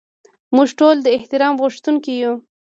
موږ ټول د احترام غوښتونکي یو.